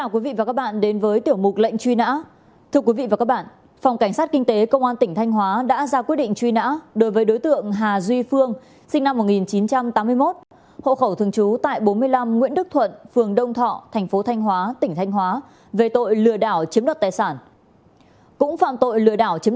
cũng phạm tội lừa đảo chiếm đọt tài sản và phải nhận quyết định